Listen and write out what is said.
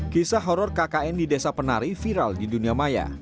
kisah horror kkn di desa penari viral di dunia maya